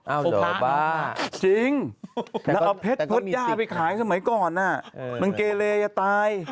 อ้าวเด๋อบ้า